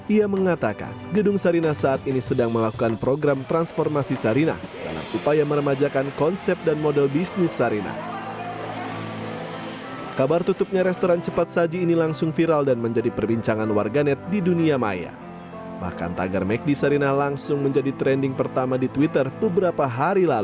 ia mengatakan gedung sarinah saat ini sedang melakukan program transformasi sarinah dalam upaya meremajakan konsep dan model bisnis sarinah